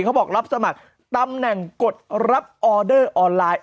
เขาบอกรับสมัครตำแหน่งกดรับออเดอร์ออนไลน์